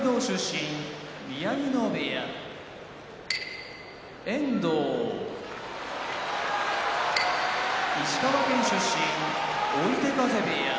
宮城野部屋遠藤石川県出身追手風部屋